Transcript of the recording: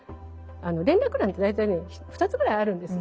連絡欄って大体ね２つぐらいあるんですよ。